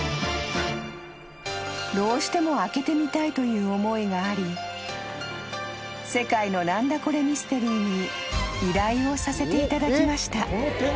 「どうしても開けてみたいという思いがあり『世界の何だコレ！？ミステリー』に依頼をさせていただきました」